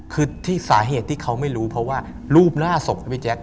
คือที่สาเหตุที่เขาไม่รู้เพราะว่ารูปหน้าศพนะพี่แจ๊ค